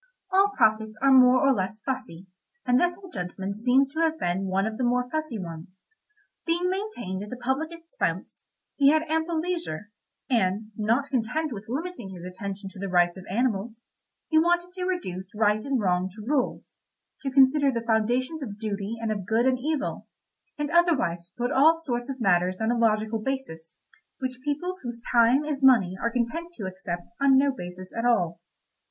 All prophets are more or less fussy, and this old gentleman seems to have been one of the more fussy ones. Being maintained at the public expense, he had ample leisure, and not content with limiting his attention to the rights of animals, he wanted to reduce right and wrong to rules, to consider the foundations of duty and of good and evil, and otherwise to put all sorts of matters on a logical basis, which people whose time is money are content to accept on no basis at all.